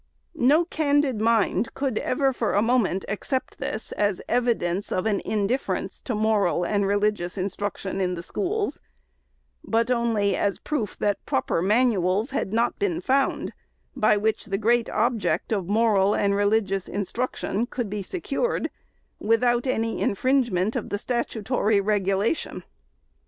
No candid mind could ever, for a moment, accept this as evidence of an indifference to moral and religious instruc tion in the schools; but only as proof that proper manuals had not been found, by which the great object of moral and religious instruction could be secured, without any infringement of the statutory regulation.